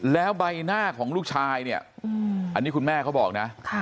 แล้วใบหน้าของลูกชายเนี่ยอันนี้คุณแม่เขาบอกนะ